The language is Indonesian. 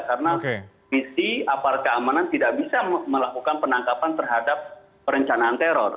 karena misi apalagi keamanan tidak bisa melakukan penangkapan terhadap perencanaan teror